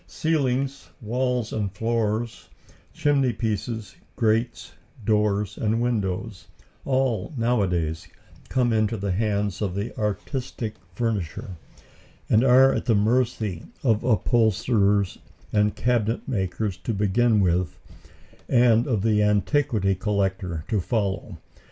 Ceilings, walls and floors, chimneypieces, grates, doors and windows, all nowadays come into the hands of the artistic furnisher, and are at the mercy of upholsterers and cabinetmakers to begin with, and of the antiquity collector to follow.